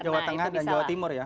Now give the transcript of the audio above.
jawa tengah dan jawa timur ya